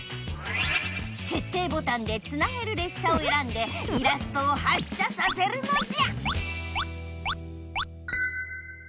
決定ボタンでつなげるれっしゃをえらんでイラストを発車させるのじゃ！